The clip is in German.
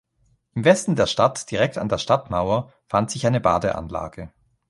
Im Westen der Stadt, direkt an der Stadtmauer, fand sich eine Badeanlage.